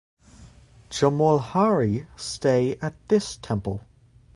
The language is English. Jomolhari stay at this temple.